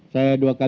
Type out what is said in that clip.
saya dua kali jalan